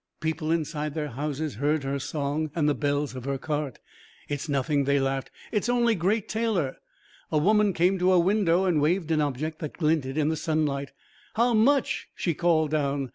People inside their houses heard her song and the bells of her cart. "It's nothing," they laughed, "it's only Great Taylor." A woman came to a window and waved an object that glinted in the sunlight. "How much?" she called down.